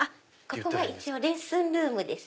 ここはレッスンルームです。